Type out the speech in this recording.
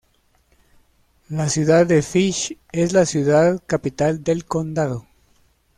La ciudad de Fish es la ciudad capital del condado.